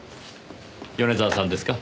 米沢さんですか？